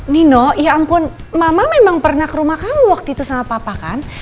nino ya ampun mama memang pernah ke rumah kamu waktu itu sama papa kan